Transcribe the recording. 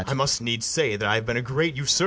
I must needs say that I have been a great usurer.